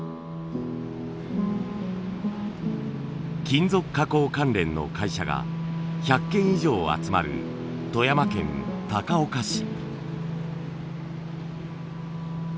金属加工関連の会社が１００軒以上集まる富山県高岡市。